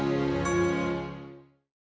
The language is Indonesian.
seperti saat terima komunikasiur